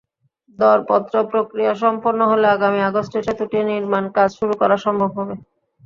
দরপত্র প্রক্রিয়া সম্পন্ন হলে আগামী আগস্টে সেতুটির নির্মাণকাজ শুরু করা সম্ভব হবে।